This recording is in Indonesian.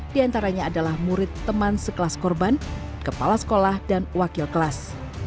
di antaranya adalah murid teman sekelas korban kepala sekolah dan wakil kelas